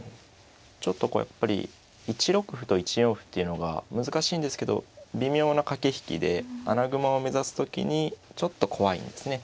ちょっとこうやっぱり１六歩と１四歩っていうのが難しいんですけど微妙な駆け引きで穴熊を目指す時にちょっと怖いんですね。